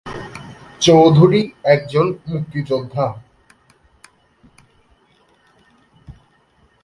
চৌধুরী একজন মুক্তিযোদ্ধা।